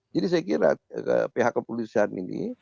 jadi saya kira pihak kepolisian ini